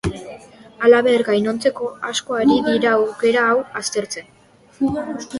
Halaber, gainontzeko asko ari dira aukera hau aztertzen.